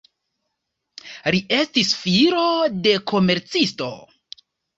Li estis filo de komercisto.